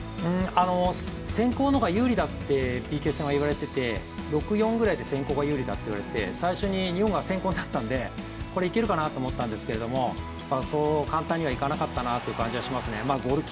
先攻の方が有利だとＰＫ戦は言われていて６：４ぐらいで優勢っていわれてて最初に日本が先攻になったんでいけるかなと思ったんですけどそう簡単にはいかなかったなという感じがしますね。